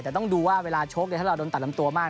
แต่ต้องดูว่าเวลาชกถ้าเราโดนตัดลำตัวมาก